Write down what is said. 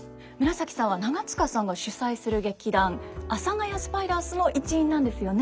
紫さんは長塚さんが主宰する劇団「阿佐ヶ谷スパイダース」の一員なんですよね。